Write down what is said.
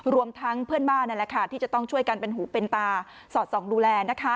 รวมทั้งเพื่อนบ้านนั่นแหละค่ะที่จะต้องช่วยกันเป็นหูเป็นตาสอดส่องดูแล